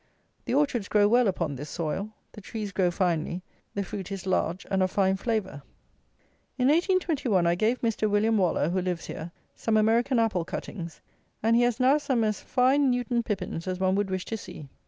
The orchards grow well upon this soil. The trees grow finely, the fruit is large and of fine flavour. In 1821 I gave Mr. William Waller, who lives here, some American apple cuttings; and he has now some as fine Newtown Pippins as one would wish to see.